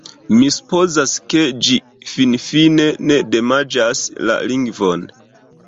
Mi supozas, ke ĝi finfine ne damaĝas la lingvon.